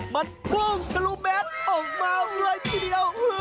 มันพุ่งทะลุแมสออกมาเลยทีเดียว